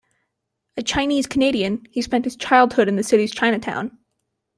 A Chinese Canadian, he spent his childhood in the city's Chinatown.